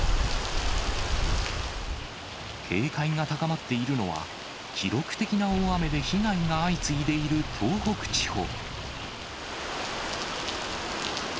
警戒が高まっているのは、記録的な大雨で被害が相次いでいる東北地方。